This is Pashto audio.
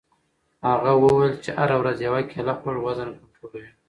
هغه وویل چې هره ورځ یوه کیله خوړل وزن کنټرولوي.